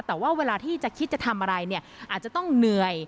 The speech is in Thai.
แต่ว่าเวลาที่จะคิดจะทำอะไรเนี่ยอาจจะต้องเหนื่อย